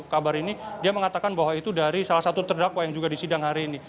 kabar ini dia mengatakan bahwa itu dari salah satu terdakwa yang juga disidang hari ini